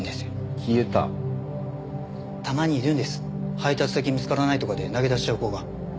配達先見つからないとかで投げ出しちゃう子が。